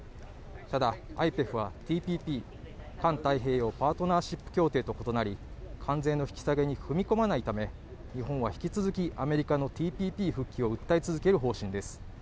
ただ、ＩＰＥＦはＴＰＰ＝環太平洋パートナーシップ協定と異なり関税の引き下げに踏み込まないため、日本は引き続きアメリカのＴＰＰ復帰を訴え続ける方針です。